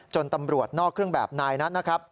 ตำรวจนอกเครื่องแบบนายนั้นนะครับ